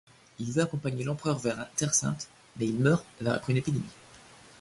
Il veut accompagner l'empereur vers la Terre sainte, mais il meurt après une épidémie.